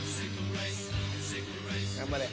頑張れ！